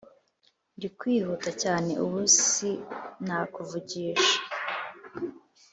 ndi kwihuta cyane ubu siakuvugisha